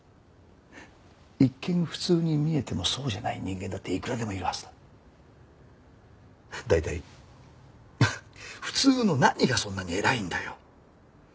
一見普通に見えてもそうじゃない人間だっていくらでもいるはずだ。大体普通の何がそんなに偉いんだよ？